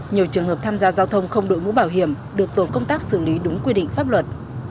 nhiều trường hợp tham gia giao thông không đội mũ bảo hiểm được tổ công tác xử lý đúng quy định pháp luật